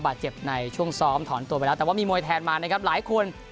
บาดเจ็บในช่วงซ้อมถอนตัวไปแล้วแต่ว่ามีมวยแทนมานะครับหลายคน